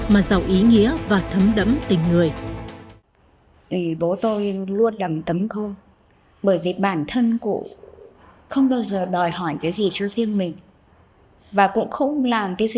mà dạo ý của đồng chí